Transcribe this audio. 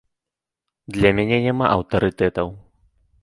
Для мяне няма аўтарытэтаў.